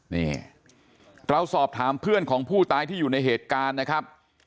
นี่เราสอบถามเพื่อนของผู้ตายที่อยู่ในเหตุการณ์นะครับ